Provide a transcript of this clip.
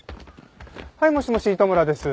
はいもしもし糸村です。